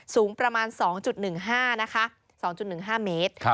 สูงประมาณ๒๑๕เมตร